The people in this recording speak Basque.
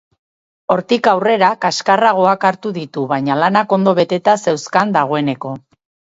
Hortik aurrera kaxkarragoak hartu ditu, baina lanak ondo beteta zeuzkan dagoeneko.